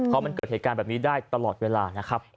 เพราะมันเกิดเหตุการณ์แบบนี้ได้ตลอดเวลานะครับ